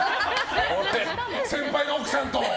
先輩の奥さんと？